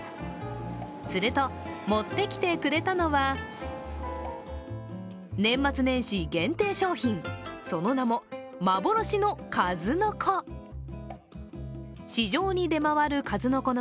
すると持ってきてくれたのは年末年始限定商品、その名も幻の数の子。